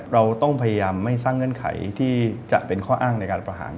เราต้องพยายามไม่สร้างเงื่อนไขที่จะเป็นข้ออ้างในการประหาร